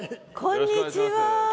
こんにちは。